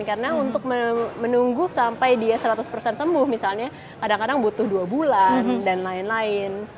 karena untuk menunggu sampai dia seratus sembuh misalnya kadang kadang butuh dua bulan dan lain lain